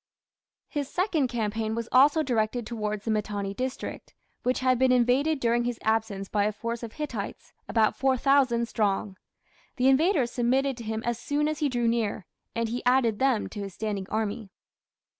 His second campaign was also directed towards the Mitanni district, which had been invaded during his absence by a force of Hittites, about 4000 strong. The invaders submitted to him as soon as he drew near, and he added them to his standing army.